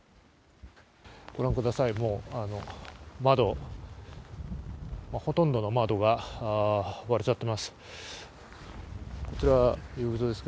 御覧ください、ほとんどの窓が割れちゃってます。